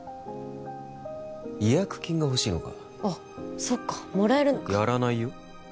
違約金がほしいのかあっそっかもらえるのかやらないよ？